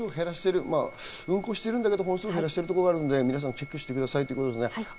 運行してるけど本数を減らしてるところがあるので皆さんチェックしてくださいということですね。